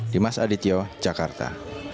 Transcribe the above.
dimas adityo jakarta